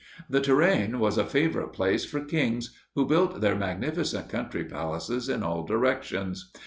The Touraine was a favorite place for kings, who built their magnificent country palaces in all directions.